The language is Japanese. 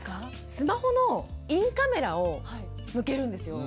スマホのインカメラを向けるんですよ。